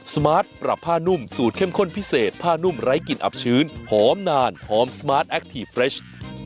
สมาร์ทปรับผ้านุ่มสูตรเข้มข้นพิเศษผ้านุ่มไร้กลิ่นอับชื้นหอมนานหอมสมาร์ทแอคทีฟเฟรช